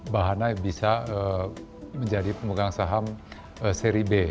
bahana bisa menjadi pemegang saham seri b